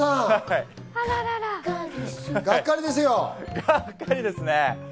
がっかりですね。